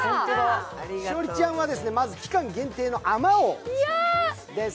栞里ちゃんは、まず期間限定のあまおうです。